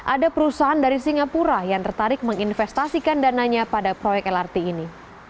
ada perusahaan dari singapura yang tertarik menginvestasikan dananya pada proyek lrt ini